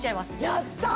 やったー